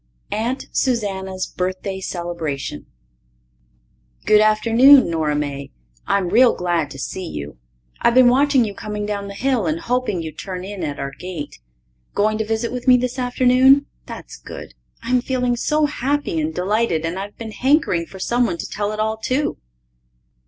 Aunt Susanna's Birthday Celebration Good afternoon, Nora May. I'm real glad to see you. I've been watching you coming down the hill and I hoping you'd turn in at our gate. Going to visit with me this afternoon? That's good. I'm feeling so happy and delighted and I've been hankering for someone to tell it all to.